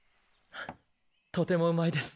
とてもうまいです。